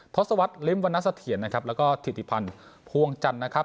ทศวรรษลิมป์วรรณสเทียนนะครับแล้วก็ธิปันภวงจันทร์นะครับ